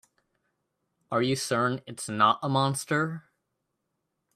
Are you certain it's not a monster?